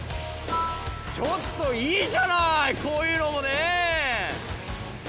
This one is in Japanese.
ちょっといいじゃないこういうのもね！